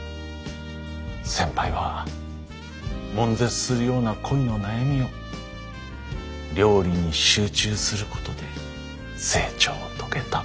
先輩はもん絶するような恋の悩みを料理に集中することで成長を遂げた。